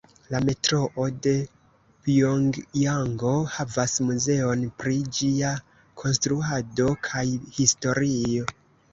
La Metroo de Pjongjango havas muzeon pri ĝia konstruado kaj historio.